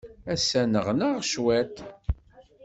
Ass-a, nneɣnaɣ cwiṭ.